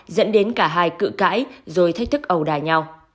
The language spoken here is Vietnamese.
dẫn đến cả hai cự cãi rồi thách thức ẩu đà nhau